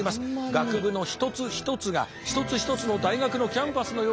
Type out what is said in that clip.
学部の一つ一つが一つ一つの大学のキャンパスのようであります。